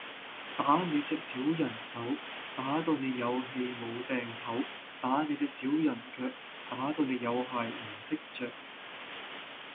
打你隻小人手，打到你有氣無定唞；打你隻小人腳，打到你有鞋唔識着！